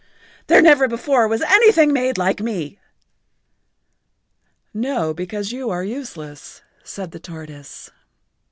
"There never before was anything made like me." "No, because you are useless," said the tortoise.